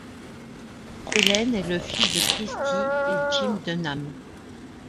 Kellen est le fils de Christy et Jim Dunham.